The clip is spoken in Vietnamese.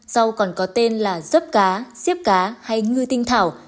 rau còn có tên là dớp cá diếp cá hay ngư tinh thảo